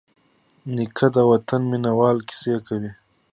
نیکه د وطن د مینوالو کیسې کوي.